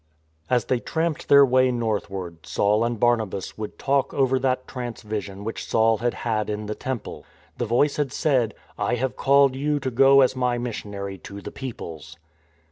As they tramped their way northward, Saul and Barnabas would talk over that trance vision which Saul had had in the Temple. The Voice had said, " I have called you to go as My missionary to the Peoples."